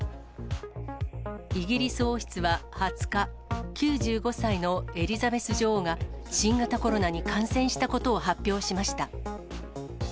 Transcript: イギリス王室は２０日、９５歳のエリザベス女王が、新型コロナに感染したことを発表しました。